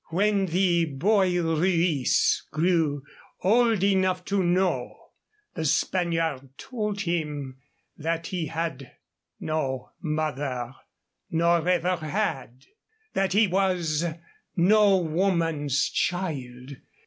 "When the boy Ruiz grew old enough to know, the Spaniard told him that he had no mother nor ever had that he was no woman's child.